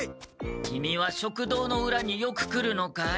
キミは食堂のうらによく来るのかい？